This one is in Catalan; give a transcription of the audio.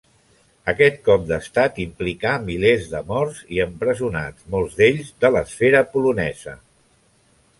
Aquest cop d'estat implicà milers de morts i empresonats, molts d'ells de l'esfera polonesa.